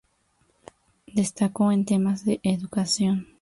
Destacó en temas de educación.